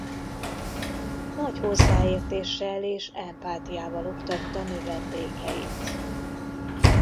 Nagy hozzáértéssel és empátiával oktatta növendékeit.